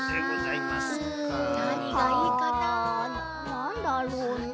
なんだろうな？